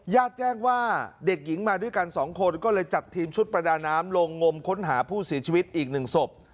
แจ้งว่าเด็กหญิงมาด้วยกัน๒คนก็เลยจัดทีมชุดประดาน้ำลงงมค้นหาผู้เสียชีวิตอีก๑ศพ